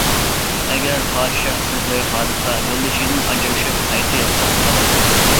ئەگەر پادىشاھ قىزلىرى خالىسا، يولدىشىدىن ئاجرىشىپ، قايتا ياتلىق بولالايتتى.